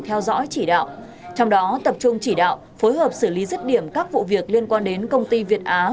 theo dõi chỉ đạo trong đó tập trung chỉ đạo phối hợp xử lý rứt điểm các vụ việc liên quan đến công ty việt á